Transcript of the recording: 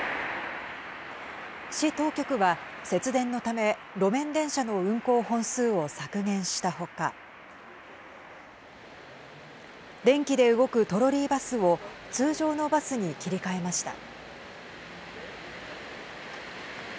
市当局は節電のため路面電車の運行本数を削減した他電気で動くトロリーバスを通常のバスに切り替えました。